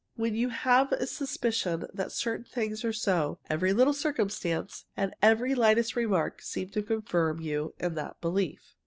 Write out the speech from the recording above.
When you have a suspicion that certain things are so, every little circumstance and every lightest remark seem to confirm you in that belief.